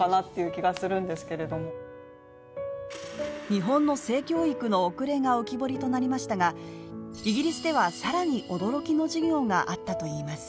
日本の性教育の遅れが浮き彫りとなりましたが、イギリスではさらに驚きの授業があったといいます。